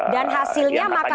dan hasilnya makam konstitusi